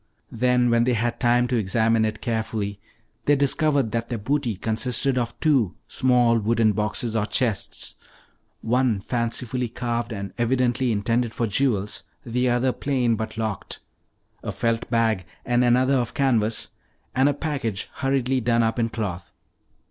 Then, when they had time to examine it carefully, they discovered that their booty consisted of two small wooden boxes or chests, one fancifully carved and evidently intended for jewels, the other plain but locked; a felt bag and another of canvas, and a package hurriedly done up in cloth.